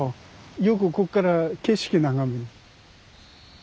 よくこっから景色眺める。